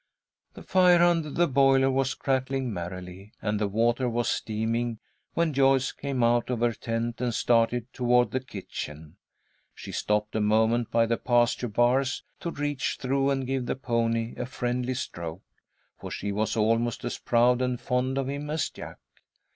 The fire under the boiler was crackling merrily, and the water was steaming, when Joyce came out of her tent and started toward the kitchen. She stopped a moment by the pasture bars to reach through and give the pony a friendly stroke, for she was almost as proud and fond of him as Jack.